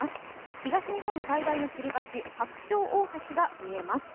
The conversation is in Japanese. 東日本最大のつり橋、白鳥大橋が見えます。